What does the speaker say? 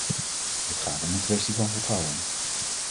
Het gaat om een kwestie van vertrouwen.